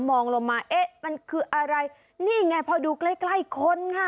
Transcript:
มองลงมามันคืออะไรนี่ไงเพราะดูใกล้คนค่ะ